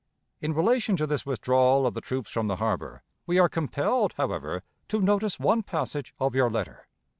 In relation to this withdrawal of the troops from the harbor, we are compelled, however, to notice one passage of your letter.